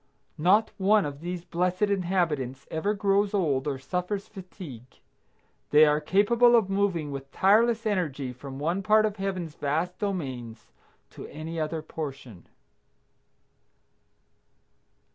Not one of these blessed inhabitants ever grows old or suffers fatigue. They are capable of moving with tireless energy from one part of Heaven's vast domains to any other portion.